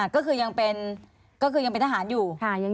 ก็คือยังเป็นทหารอยู่